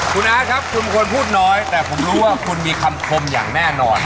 คุณอาร์ตครับคุณเป็นคนพูดน้อยแต่ผมรู้ว่าคุณมีคำชมอย่างแน่นอน